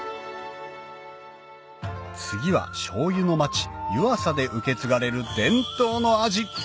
次は醤油の町・湯浅で受け継がれる伝統の味！